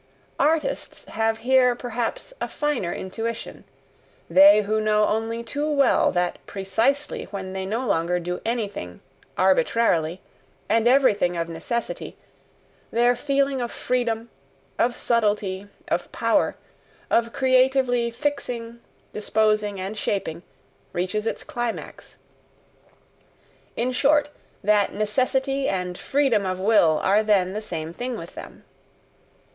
Artists have here perhaps a finer intuition; they who know only too well that precisely when they no longer do anything "arbitrarily," and everything of necessity, their feeling of freedom, of subtlety, of power, of creatively fixing, disposing, and shaping, reaches its climax in short, that necessity and "freedom of will" are then the same thing with them.